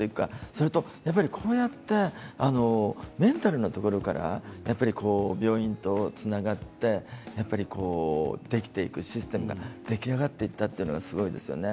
それとこうやってメンタルのところから病院とつながってできていくシステムが出来上がっていったというのがすごいですね。